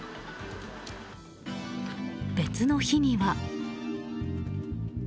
別の日には。